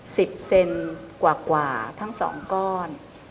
สิบเซนกว่ากว่าทั้งสองก้อน